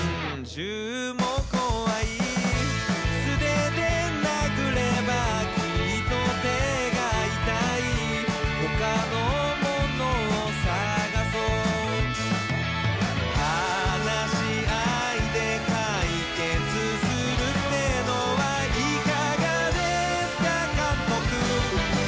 銃も怖い素手で殴ればきっと手が痛い他のものを探そう話し合いで解決するってのはいかがですか監督